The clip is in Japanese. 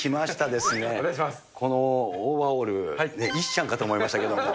このオーバーオール、石ちゃんかと思いましたけども。